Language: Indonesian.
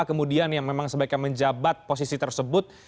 kemudian yang memang sebaiknya menjabat posisi tersebut